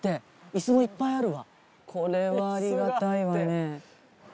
これはありがたいわね。